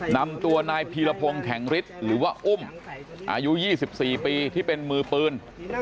นำตัวนายพีรพงศ์แข็งฤทธิ์หรือว่าอุ้มอายุ๒๔ปีที่เป็นมือปืน